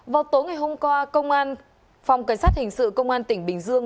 vào tối ngày hôm qua công an phòng cảnh sát hình sự công an tỉnh bình dương